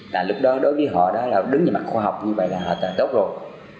là lúc đó đối với họ đó là đứng trên mặt khoa học như vậy là tốt rồi